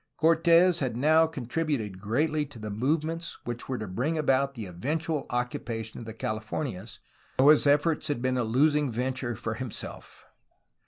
Cortes had now contributed greatly to the movements which were to bring about the eventual occupation of the Californias, though his efforts had been a losing venture for himself.